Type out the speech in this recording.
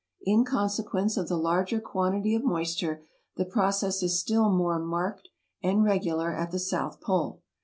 In consequence of the larger quantity of moisture, the process is still more marked and regular at the south pole.